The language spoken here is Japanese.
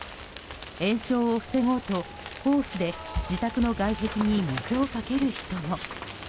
延焼を防ごうと、ホースで自宅の外壁に水をかける人も。